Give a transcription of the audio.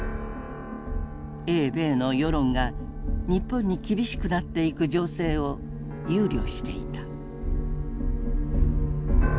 英米の世論が日本に厳しくなっていく情勢を憂慮していた。